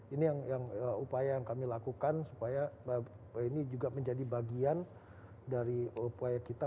ini yang upaya yang kami lakukan supaya ini juga menjadi bagian dari upaya kita